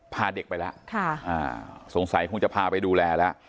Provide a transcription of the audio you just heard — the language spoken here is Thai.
พาเด็กไปแล้วสงสัยคงจะพาไปดูแลแล้ว